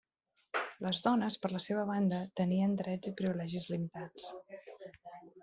Les dones, per la seva banda, tenien drets i privilegis limitats.